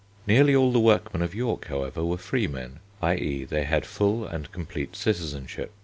Nearly all the workmen of York, however, were freemen, i.e. they had full and complete citizenship.